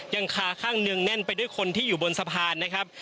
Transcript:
ยังคาข้างเนืองแน่นไปด้วยคนที่อยู่บนสะพานนะครับ